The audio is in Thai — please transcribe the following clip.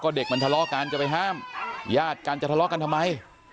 เด็กมันทะเลาะกันจะไปห้ามญาติกันจะทะเลาะกันทำไม